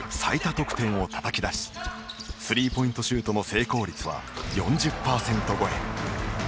得点をたたき出しスリーポイントシュートの成功率は４０％超え。